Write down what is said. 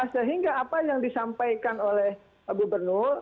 sehingga apa yang disampaikan oleh gubernur